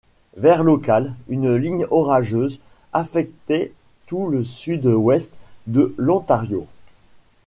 Vers locale, une ligne orageuse affectait tout le sud-ouest de l'Ontario.